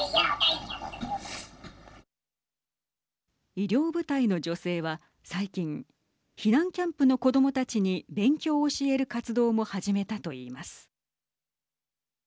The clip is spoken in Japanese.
医療部隊の女性は最近避難キャンプの子どもたちに勉強を教える活動も始めたと言います。